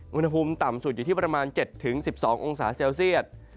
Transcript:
อุณหภูมิต่ำสุดอยู่ที่ประมาณ๗๑๒องศาเซลเซียต